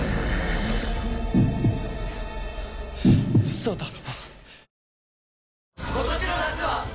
嘘だろ。